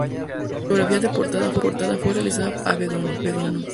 La fotografía de portada fue realizada por Richard Avedon.